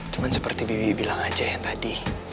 cuma seperti bibi bilang aja yang tadi